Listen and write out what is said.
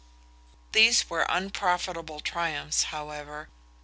These were unprofitable triumphs, however.